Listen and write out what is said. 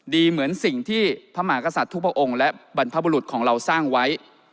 ดีเหมือนสิ่งที่พระมหากษัตริย์ทุกพระองค์และบรรพบุรุษของเราสร้างไว้